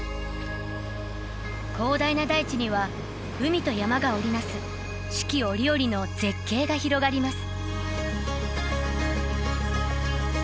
広大な大地には海と山が織り成す四季折々の絶景が広がります。